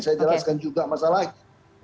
saya jelaskan juga masalahnya